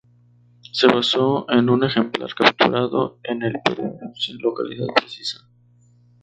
Se basó en un ejemplar capturado en el Perú, sin localidad precisa.